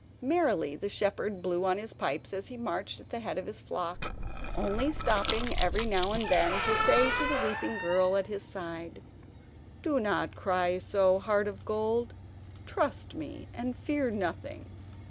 Merrily the shepherd blew on his pipes as he marched at the head of his flock, only stopping every now and then to say to the weeping girl at his side: "Do not cry so, Heart of Gold; trust me and fear nothing."